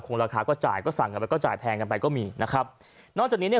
ราคาก็จ่ายก็สั่งกันไปก็จ่ายแพงกันไปก็มีนะครับนอกจากนี้เนี่ย